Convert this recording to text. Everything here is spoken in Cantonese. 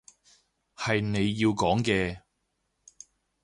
係你要講嘅